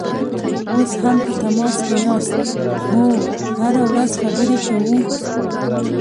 اوس هم په تماس کې یاست؟ هو، هره ورځ خبرې کوو